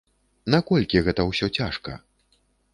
Наколькі гэта ўсё цяжка?